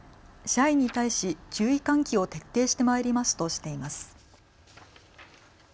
社員に対し注意喚起を徹底してまいりますとしています。